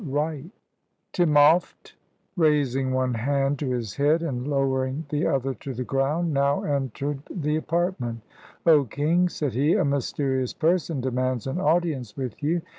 WRIGHT TiMOPHT, raising one hand to his head and lowering the other to the ground, now entreed the apartment. "O king," said he, "a. mysterious person demands an audience with you.